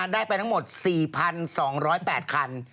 ได้ไปทั้งหมด๔๒๐๘คัน